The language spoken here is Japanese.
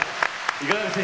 いかがでした。